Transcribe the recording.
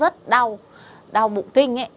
rất đau đau bụng kinh